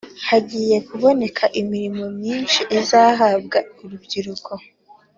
Hagiye kuboneka imirimo myinshi izahabwa urubyiruko